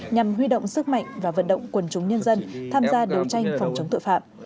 nhằm huy động sức mạnh và vận động quần chúng nhân dân tham gia đấu tranh phòng chống tội phạm